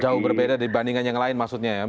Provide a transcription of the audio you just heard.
jauh berbeda dibandingkan yang lain maksudnya ya